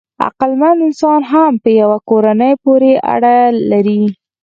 عقلمن انسان هم په یوه کورنۍ پورې اړه لري.